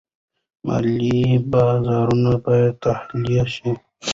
مالي بازارونه باید تحلیل شي.